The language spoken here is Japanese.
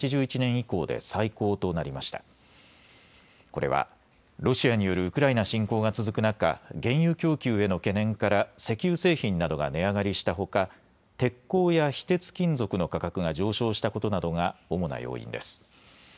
これはロシアによるウクライナ侵攻が続く中、原油供給への懸念から石油製品などが値上がりしたほか鉄鋼や非鉄金属の価格が上昇したことなどが主な要因です。